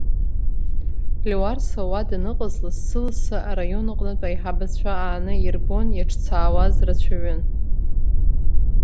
Леуарса уа даныҟаз, лассы-лассы араион аҟнытә аиҳабацәа ааны ирбон, иаҿцаауаз рацәаҩын.